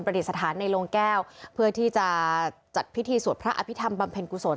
ดิษฐานในโรงแก้วเพื่อที่จะจัดพิธีสวดพระอภิษฐรรมบำเพ็ญกุศล